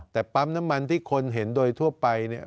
แต่ปั๊มน้ำมันที่คนเห็นโดยทั่วไปเนี่ย